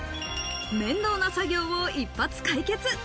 面倒な作業を一発解決。